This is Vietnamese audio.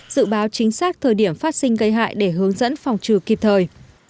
dự báo chính xác thời điểm phát sinh gây hại để hướng dẫn phòng trừ kịp thời